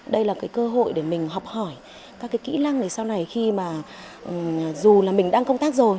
đây là cái cơ hội để mình học hỏi các cái kỹ năng để sau này khi mà dù là mình đang công tác rồi